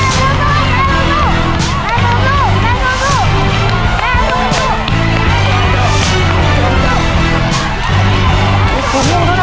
เพราะว่าเวลาตอนนี้นะครับ